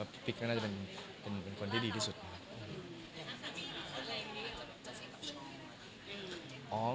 ติ๊กก็น่าจะเป็นคนที่ดีที่สุดนะครับ